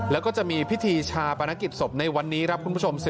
แล้วก็จะมีพิธีชาปนกิจศพในวันนี้ครับคุณผู้ชม